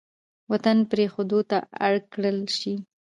وطـن پـرېښـودو تـه اړ کـړل شـي.